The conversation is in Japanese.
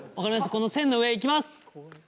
この線の上いきます。